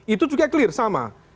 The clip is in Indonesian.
itu juga clear sama